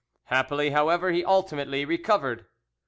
Happily, however, he ultimately recovered.